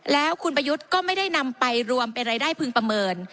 แล้วคุณประยุทธ์ก็ไม่ได้นำไปรวมเป็นรายได้พึงประเมิน